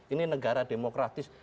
ini negara demokratis